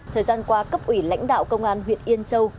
thời gian qua cấp ủy lãnh đạo công an huyện yên châu